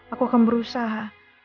aku akan berusaha